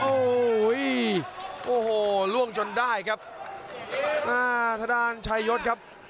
โอ้โหโหหล่วงจนได้ครับ